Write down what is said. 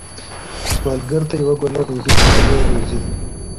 سوالګر ته یوه ګوله ډوډۍ ستر روزی ده